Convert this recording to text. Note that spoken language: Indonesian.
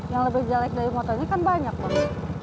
yang lebih jelek dari motor ini kan banyak bang